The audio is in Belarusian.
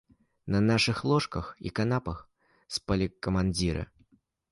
На нашых ложках і канапах спалі камандзіры.